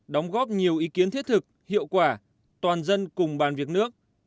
đóng góp nhiều ý kiến thiết thực hiệu quả toàn dân cùng bàn việc nước